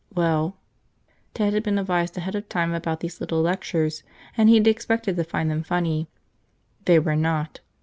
Well." Ted had been advised ahead of time about these little lectures and he had expected to find them very funny. They were not.